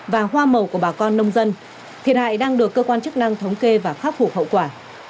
và hoa màu của bà con nông dân thiệt hại đang được cơ quan chức năng thống kê và khắc phục hậu quả